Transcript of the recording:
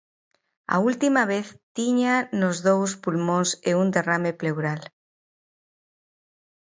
A última vez tíñaa nos dous pulmóns e un derrame pleural.